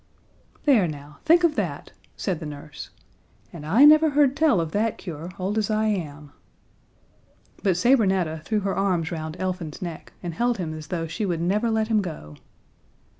"There now! Think of that!" said the nurse. "And I never heard tell of that cure, old as I am." But Sabrinetta threw her arms round Elfin's neck, and held him as though she would never let him go.